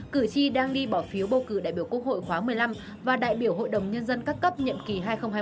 cử tri đang đi bỏ phiếu bầu cử đại biểu quốc hội khóa một mươi năm và đại biểu hội đồng nhân dân các cấp nhiệm kỳ hai nghìn một mươi sáu hai nghìn hai mươi một